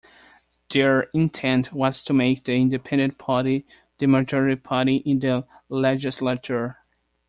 Their intent was to make the Independent Party the majority party in the legislature.